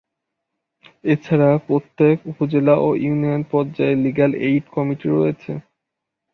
এছাড়া প্রত্যেক উপজেলা ও ইউনিয়ন পর্যায়ে লিগ্যাল এইড কমিটি রয়েছে।